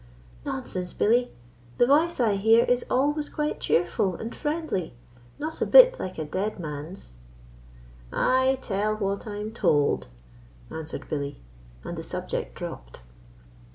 "Nonsense, Billy; the voice I hear is always quite cheerful and friendly not a bit like a dead man's." "I tell what I'm told," answered Billy, and the subject dropped.